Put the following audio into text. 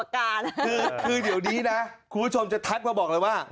คือเดียวนี้นะคุณผู้ชมจะทักแล้วบอกว่า